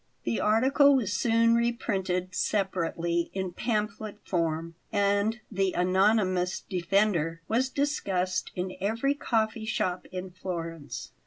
The article was soon reprinted separately in pamphlet form; and the "anonymous defender" was discussed in every coffee shop in Florence.